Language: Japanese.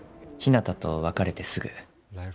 ひなたと別れてすぐ。